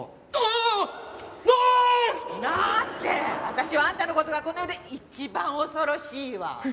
私はあんたの事がこの世で一番恐ろしいわ。